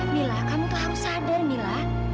mila kamu tuh harus sadar mila